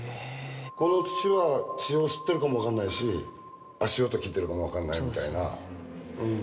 この土は血を吸ってるかも分かんないし足音聞いてるかも分かんないみたいなうん。